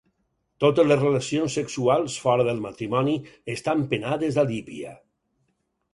Totes les relacions sexuals fora del matrimoni estan penades a Líbia.